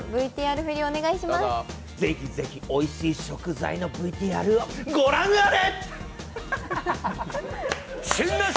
ぜひぜひおいしい食材のＶＴＲを御覧あれ。